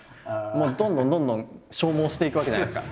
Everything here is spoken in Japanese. もうどんどんどんどん消耗していくわけじゃないですか。